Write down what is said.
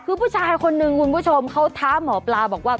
คือผู้ชายคนนึงคุณผู้ชมเขาท้าหมอปลาบอกว่า